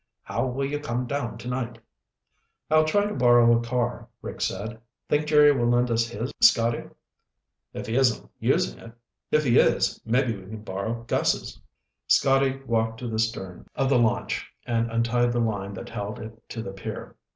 "How will you come down tonight?" "I'll try to borrow a car," Rick said. "Think Jerry will lend us his, Scotty?" "If he isn't using it. If he is, maybe we can borrow Gus's." Scotty walked to the stern of the launch and untied the line that held it to the pier.